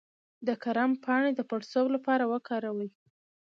د کرم پاڼې د پړسوب لپاره وکاروئ